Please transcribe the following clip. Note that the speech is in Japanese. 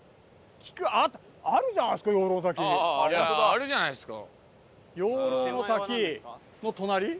あるじゃないですか。